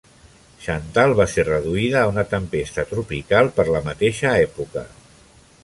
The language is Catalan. Chantal va ser reduïda a una tempesta tropical per la mateixa època.